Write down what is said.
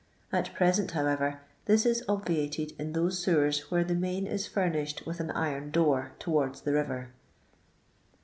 At present, however, this is obviated in those sewers where the main is furnished with an iron door towards the river.